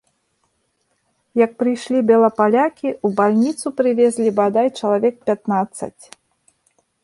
Як прыйшлі белапалякі, у бальніцу прывезлі, бадай, чалавек пятнаццаць.